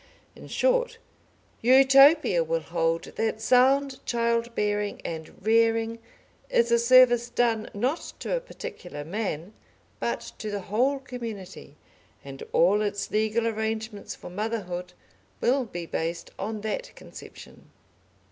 In short, Utopia will hold that sound childbearing and rearing is a service done, not to a particular man, but to the whole community, and all its legal arrangements for motherhood will be based on that conception.